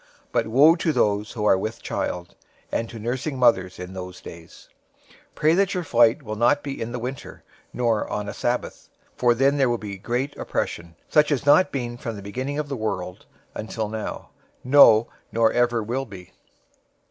024:019 But woe to those who are with child and to nursing mothers in those days! 024:020 Pray that your flight will not be in the winter, nor on a Sabbath, 024:021 for then there will be great oppression, such as has not been from the beginning of the world until now, no, nor ever will be.